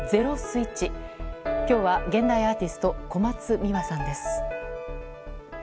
今日は、現代アーティスト小松美羽さんです。